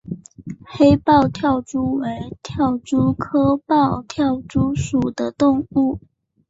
黑豹跳蛛为跳蛛科豹跳蛛属的动物。